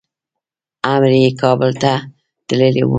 امر یې کابل ته تللی و.